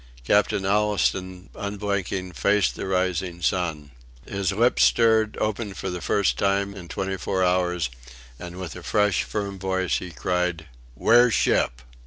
Captain Allistoun, unblinking, faced the rising sun. His lips stirred, opened for the first time in twenty four hours, and with a fresh firm voice he cried, "Wear ship!"